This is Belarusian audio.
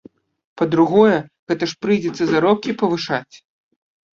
Па-другое, гэта ж прыйдзецца заробкі павышаць!